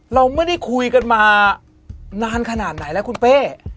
เราไม่ได้คุยกันมานานขนาดไหนแล้วคุณเป้